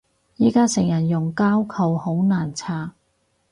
而家成日用膠扣好難拆